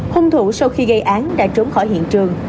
hung thủ sau khi gây án đã trốn khỏi hiện trường